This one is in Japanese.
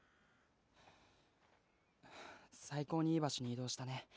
最高にいい場所に移動したね